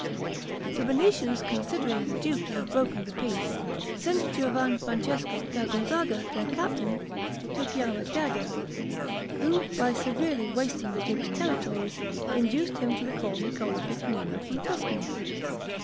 The Venetians considering the duke to have broken the peace, send Giovan Francesco da Gonzaga, their captain, to Ghiaradadda, who, by severely wasting the duke's territories, induced him to recall Niccolo Piccinino from Tuscany.